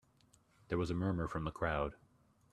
There was a murmur from the crowd.